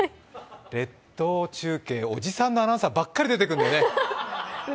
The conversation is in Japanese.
列島中継、おじさんのアナウンサーばっかり出てくるのね。